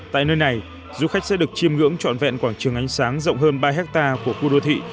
tại nơi này du khách sẽ được chiêm ngưỡng trọn vẹn quảng trường ánh sáng rộng hơn ba hectare của khu đô thị